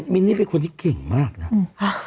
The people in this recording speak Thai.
มินนี่เป็นคนที่เก่งมากนะ